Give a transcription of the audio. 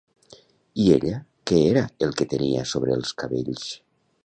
I ella què era el que tenia sobre els cabells?